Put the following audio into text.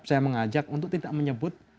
saya mengajak untuk tidak menyebut